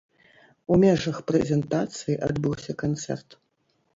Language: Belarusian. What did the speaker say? У межах прэзентацыі адбыўся канцэрт.